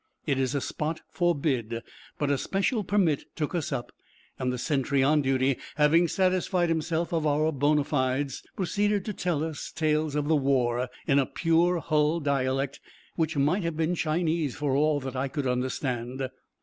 It is a spot forbid, but a special permit took us up, and the sentry on duty, having satisfied himself of our bona fides, proceeded to tell us tales of the war in a pure Hull dialect which might have been Chinese for all that I could understand.